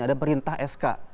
ada perintah sk